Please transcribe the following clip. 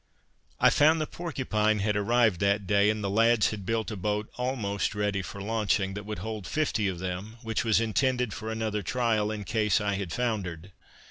I found the Porcupine had arrived that day, and the lads had built a boat almost ready for launching, that would hold fifty of them, which was intended for another trial, in case I had foundered.